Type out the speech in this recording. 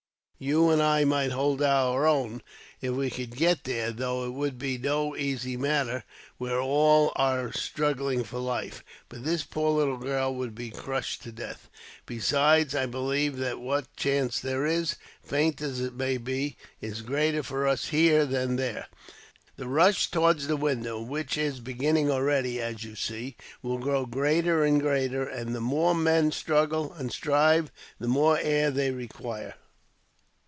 You and I might hold our own, if we could get there, though it would be no easy matter where all are struggling for life; but this poor little girl would be crushed to death. Besides, I believe that what chance there is, faint as it may be, is greater for us here than there. The rush towards the window, which is beginning already, as you see, will grow greater and greater; and the more men struggle and strive, the more air they require.